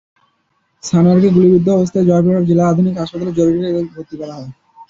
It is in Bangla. সানোয়ারকে গুলিবিদ্ধ অবস্থায় জয়পুরহাট জেলা আধুনিক হাসপাতালের জরুরি বিভাগে ভর্তি করা হয়।